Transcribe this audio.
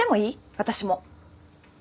私も。